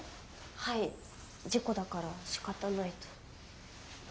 はい事故だからしかたないと。